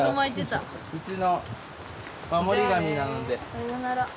さよなら。